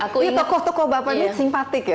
tokoh tokoh bapaknya simpatik ya